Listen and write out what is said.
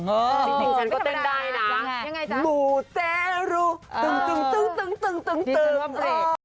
สิ่งที่ฉันก็เดินได้นะหมูเจ๊รู้ตึงยังไงจ๊ะ